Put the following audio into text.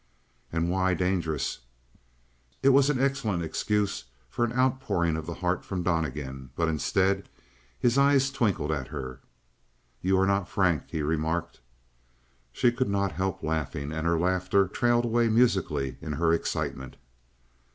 "And why dangerous?" It was an excellent excuse for an outpouring of the heart from Donnegan, but, instead, his eyes twinkled at her. "You are not frank," he remarked. She could not help laughing, and her laughter trailed away musically in her excitement.